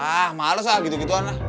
ah males lah gitu gituan